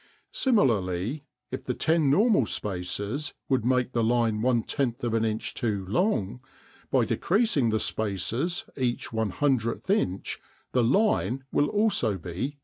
Similarly, if the ten normal spaces would make the line one tenth of an inch too long, by decreasing the spaces each one hundredth inch the line will also be "justified."